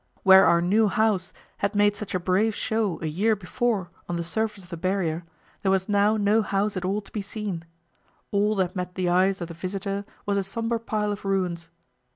Where our new house had made such a brave show a year before on the surface of the Barrier, there was now no house at all to be seen. All that met the eyes of the visitor was a sombre pile of ruins.